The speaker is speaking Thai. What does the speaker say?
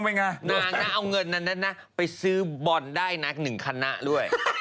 ถ้าเอาเงินนั้นไปซื้อบอลได้นะ๑คันหน้าด้วย